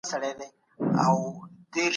چي ته بېلېږې له مست شوره څخه